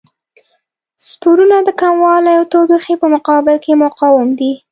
سپورونه د کموالي او تودوخې په مقابل کې مقاوم دي.